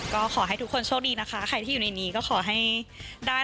ก็ขอให้ทุกคนโชคดีนะคะใครที่อยู่ในนี้ก็ขอให้ได้